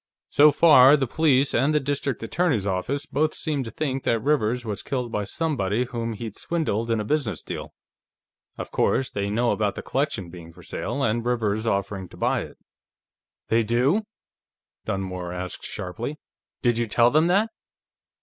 "So far, the police and the District Attorney's office both seem to think that Rivers was killed by somebody whom he'd swindled in a business deal. Of course, they know about the collection being for sale, and Rivers's offering to buy it." "They do?" Dunmore asked sharply. "Did you tell them that?"